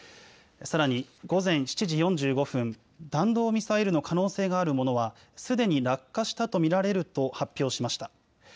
さらに午前７時４５分、弾道ミサイルの可能性があるものはすでに落下したと見られると発表しました。